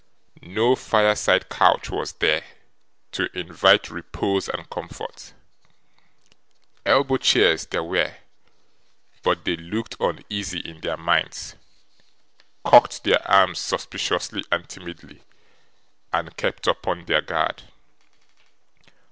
No fireside couch was there, to invite repose and comfort. Elbow chairs there were, but they looked uneasy in their minds, cocked their arms suspiciously and timidly, and kept upon their guard.